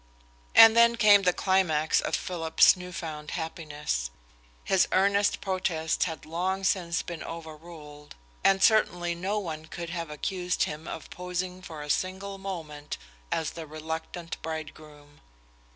And then came the climax of Philip's new found happiness. His earnest protests had long since been overruled, and certainly no one could have accused him of posing for a single moment as the reluctant bridegroom.